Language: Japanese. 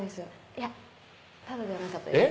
いやタダではなかったです